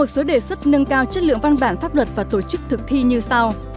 một số đề xuất nâng cao chất lượng văn bản pháp luật và tổ chức thực thi như sau